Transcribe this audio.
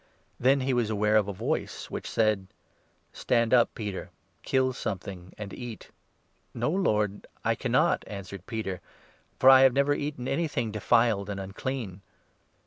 Then he was aware of a voice which said 13 — "Stand up, Peter, kill something, and eat." " No, Lord, I cannot," answered Peter, "for I have never 14 eaten anything ' defiled ' and ' unclean